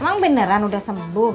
emang beneran udah sembuh